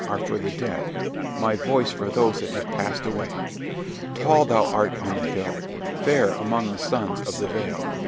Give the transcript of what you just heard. are for the dead my voice for those that have passed away. Tall thou art on the hill; fair among the sons of the vale.